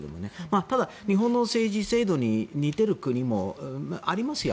ただ、日本の政治制度に似ている国もありますよ